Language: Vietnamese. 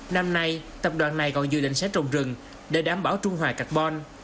năm nay tập đoàn này còn dự định sẽ trồng rừng để đảm bảo trung hoài cạch bôn